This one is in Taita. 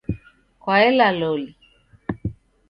Kwaela loli